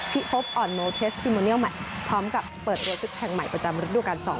พิภพออนโมเทสทีมโมเนียลแมตช์พร้อมกับเปิดรถสุดแข่งใหม่ประจำฤดูกัน๒๐๑๙